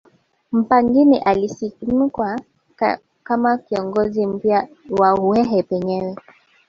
Mpangile alisimikwa kama kiongozi mpya wa Uhehe penyewe